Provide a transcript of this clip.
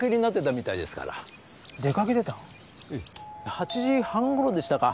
８時半頃でしたか